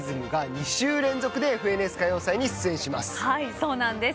そうなんです。